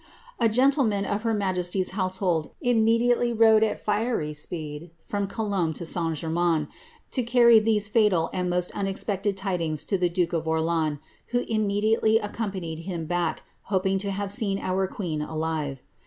*"^ A gentleman of her majesty's household immediately rode at fiery spocd from Colombc to St. Gcrmains, to carry these fatal and most un expected tidings to the duke of Orleans, who immediately accompanied him back, hoping to have seen our queen alire."